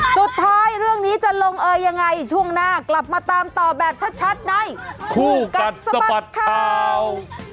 เรื่องนี้จะลงเอยยังไงช่วงหน้ากลับมาตามต่อแบบชัดในคู่กัดสะบัดข่าว